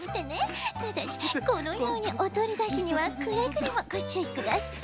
ただしこのようにおどりだしにはくれぐれもごちゅういください。